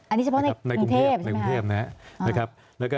อันนี้เฉพาะในกรุงเทพนะครับ